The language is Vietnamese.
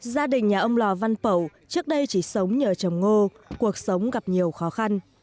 gia đình nhà ông lò văn pẩu trước đây chỉ sống nhờ trồng ngô cuộc sống gặp nhiều khó khăn